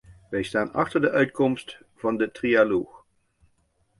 Wij staan achter de uitkomst van de trialoog.